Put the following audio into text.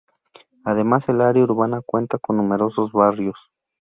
Además el área urbana cuenta con numerosos barrios.